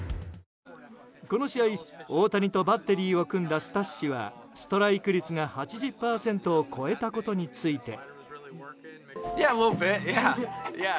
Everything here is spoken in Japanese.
この試合大谷とバッテリーを組んだスタッシはストライク率が８０％を超えたことについて。